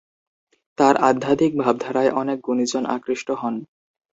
তাঁর আধ্যাত্মিক ভাবধারায় অনেক গুণীজন আকৃষ্ট হন।